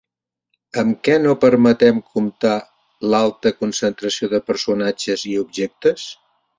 Amb què no permeten comptar l'alta concentració de personatges i objectes?